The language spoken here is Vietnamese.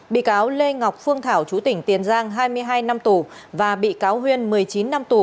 bị cáo lê ngọc phương thảo chú tỉnh tiền giang hai mươi hai năm tù và bị cáo huyên một mươi chín năm tù